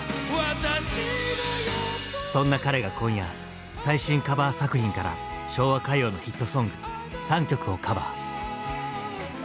そんな彼が今夜最新カバー作品から昭和歌謡のヒットソング３曲をカバー。